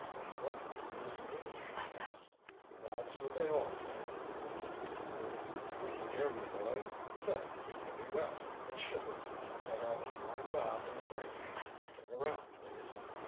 "What does this mean?" he asked. "That's what they all say," grunted Huntley. "Come here, my boy. Say, you're pretty wet. And shivering! Better have a warm bath and a drink. Turn around, please.